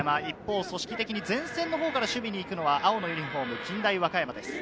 組織的に前線のほうから守備に行くのは青のユニホーム、近大和歌山です。